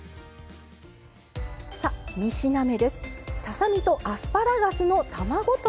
さあ３品目です。